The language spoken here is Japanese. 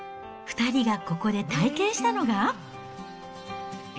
２人がここで体験したのが。